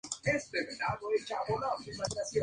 Usualmente ocurren en pequeños grupos.